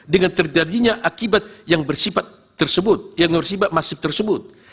dengan terjadinya akibat yang bersifat tersebut yang bersifat masif tersebut